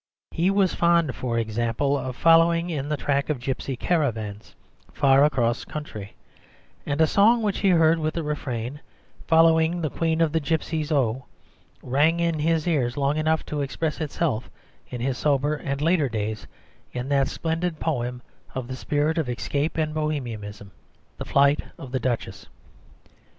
He was fond, for example, of following in the track of gipsy caravans, far across country, and a song which he heard with the refrain, "Following the Queen of the Gipsies oh!" rang in his ears long enough to express itself in his soberer and later days in that splendid poem of the spirit of escape and Bohemianism, The Flight of the Duchess.